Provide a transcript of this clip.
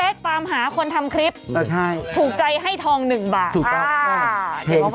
เอออะไรอย่างนี้จ้ะตรงนั้น